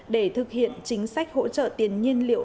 để thực hiện chính sách hỗ trợ tiền nhiên liệu